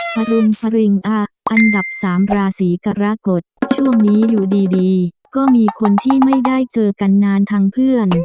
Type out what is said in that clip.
ฟรุนฟริงอันดับสามราศีกรกฎช่วงนี้อยู่ดีดีก็มีคนที่ไม่ได้เจอกันนานทางเพื่อน